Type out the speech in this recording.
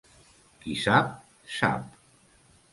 Qui sap, sap.